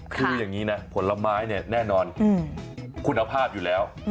คืออย่างนี้นะผลไม้เนี่ยแน่นอนคุณภาพอยู่แล้ว